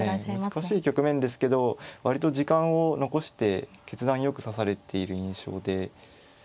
難しい局面ですけど割と時間を残して決断よく指されている印象で。